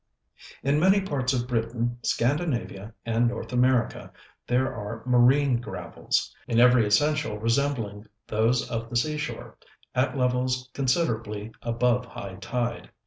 In many parts of Britain, Scandinavia and North America there are marine gravels, in every essential resembling those of the sea shore, at levels considerably above high tide.